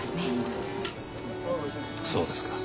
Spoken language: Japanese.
そうですか。